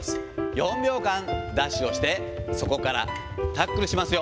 ４秒間ダッシュをして、そこからタックルしますよ。